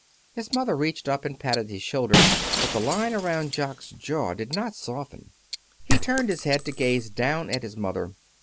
His mother reached up and patted his shoulder. But the line around Jock's jaw did not soften. He turned his head to gaze down at his mother.